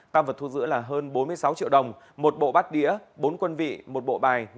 tăng vật thu giữ là hơn bốn mươi sáu triệu đồng một bộ bát đĩa bốn quân vị một bộ bài